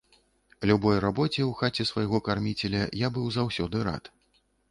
Любой рабоце ў хаце свайго карміцеля я быў заўсёды рад.